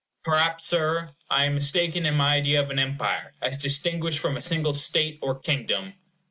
Perhaps, Sir, I am mistaken in my idea of an empire, as distinguished from a single state or kingdom.